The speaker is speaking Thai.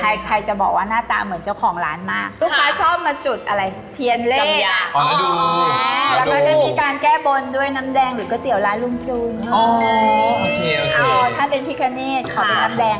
ก็มาจุดอะไรเทียนเลขอ๋ออ๋อแล้วก็จะมีการแก้บนด้วยน้ำแดงหรือกระเตี๋ยวร้านลุงจูงอ๋ออาจจะเป็นพิคะเน่ขอเป็นน้ำแดง